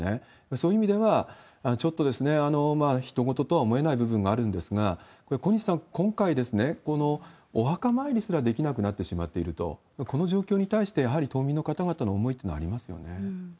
そういう意味では、ちょっとひと事とは思えない部分もあるんですが、これ、小西さん、今回、お墓参りすらできなくなってしまっていると、この状況に対して、やはり島民の方々の思いってのはありますよね。